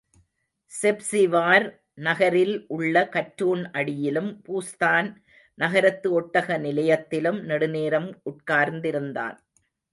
செப்ஸிவார் நகரில் உள்ள கற்றூண் அடியிலும், பூஸ்தான் நகரத்து ஒட்டக நிலையத்திலும் நெடுநேரம் உட்கார்ந்திருந்தான்.